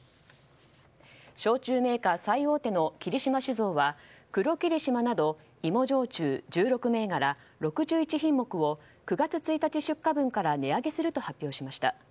焼酎メーカー最大手の霧島酒造は黒霧島など芋焼酎１６銘柄６１品目を９月１日出荷分から値上げすると発表しました。